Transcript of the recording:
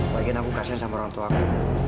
lagian aku kasian sama orangtuaku